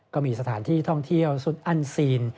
ก็มีสถานที่ท่องเที่ยวสุดอันซีน